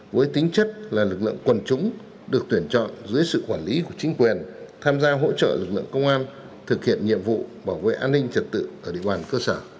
với tính chất là lực lượng quần chúng được tuyển chọn dưới sự quản lý của chính quyền tham gia hỗ trợ lực lượng công an thực hiện nhiệm vụ bảo vệ an ninh trật tự ở địa bàn cơ sở